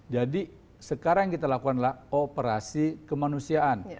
jadi sekarang yang kita lakukan adalah operasi kemanusiaan